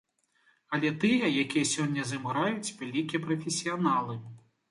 Але тыя, якія сёння з ім граюць, вялікія прафесіяналы.